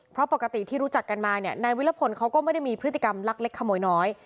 เพราะปกติที่รู้จักกันมาเนี่ยนายวิรพลเขาก็ไม่ได้มีพฤติกรรมลักเล็กขโมยน้อย